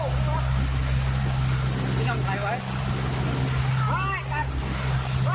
พลไห้อ้าวค่ะเว้ยเป็นแขวงออกมา